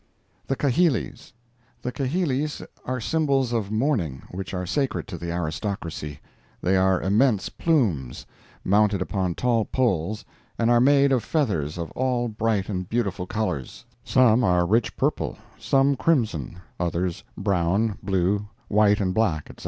THE KAHILIS The kahilis are symbols of mourning which are sacred to the aristocracy. They are immense plumes, mounted upon tall poles, and are made of feathers of all bright and beautiful colors; some are a rich purple; some crimson; others brown, blue, white and black, etc.